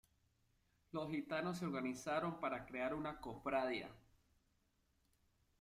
Los gitanos se organizaron para crear una cofradía.